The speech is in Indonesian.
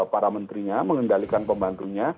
para menterinya mengendalikan pembantunya